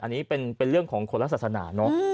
อันนี้เป็นเรื่องของคนละศาสนาเนอะ